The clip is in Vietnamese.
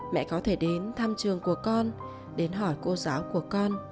mẹ có thể đến thăm trường của con đến hỏi cô giáo của con